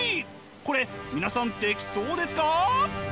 これ皆さんできそうですか？